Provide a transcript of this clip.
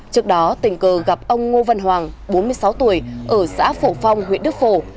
trước đó tình cờ gặp ông ngô văn hoàng bốn mươi sáu tuổi ở xã phổ phong huyện đức phổ